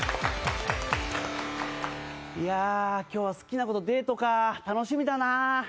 今日は好きな子デートか楽しみだな。